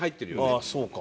ああそうか。